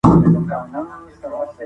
افغانستان مو په زړه کې وساتئ.